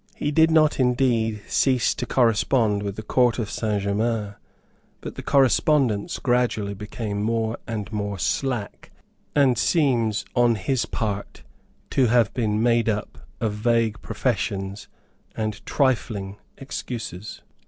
He did not indeed cease to correspond with the Court of Saint Germains; but the correspondence gradually became more and more slack, and seems, on his part, to have been made up of vague professions and trifling excuses.